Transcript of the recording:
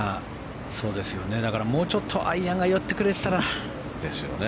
だから、もうちょっとアイアンが寄ってくれてたら。